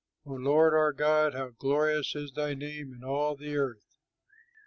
O Lord, our God, how glorious Is thy name in all the earth!